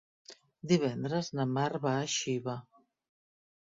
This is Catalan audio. Divendres na Mar va a Xiva.